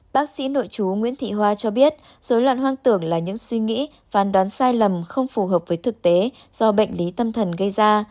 bác sĩ nội chú nguyễn thị hoa cho biết dối loạn hoang tưởng là những suy nghĩ phán đoán sai lầm không phù hợp với thực tế do bệnh lý tâm thần gây ra